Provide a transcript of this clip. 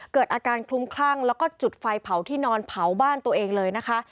เกิดอาการคลุมคลั่งแล้วก็จุดไฟเผาที่นอนเผาบ้านตัวเองเลยนะคะ